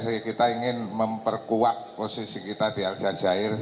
jadi kita ingin memperkuat posisi kita di aljazair